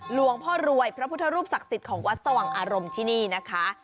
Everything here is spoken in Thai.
หลวงพ่อรวยพระพุทธรูปศักดิ์สิทธิ์ของวัดสว่างอารมณ์ที่นี่นะคะ